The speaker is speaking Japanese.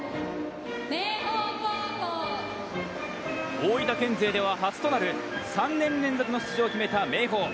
大分県勢では初となる３年連続の出場を決めた明豊。